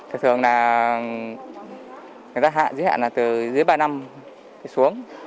thường thường là người ta hạn giới hạn là từ dưới ba năm xuống